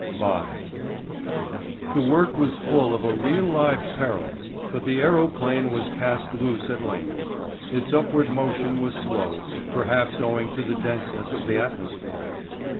V. The work was full of a real live peril, but the aerophane was cast loose at length. Its upward motion was slow, perhaps owing to the denseness of the atmosphere.